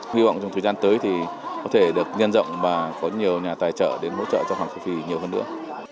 hy vọng trong thời gian tới thì có thể được nhân rộng và có nhiều nhà tài trợ đến hỗ trợ cho hoàng châu phi nhiều hơn nữa